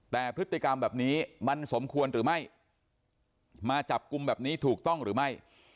แต่พฤติกรรมแบบนี้มันสมควรหรือไม่มาจับกลุ่มแบบนี้ถูกต้องหรือไม่